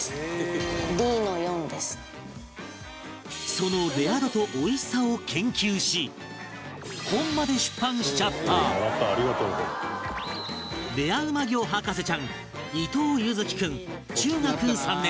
そのレア度とおいしさを研究し本まで出版しちゃったレアうま魚博士ちゃん伊藤柚貴君中学３年生